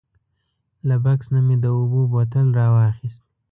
له بکس نه مې د اوبو بوتل راواخیست.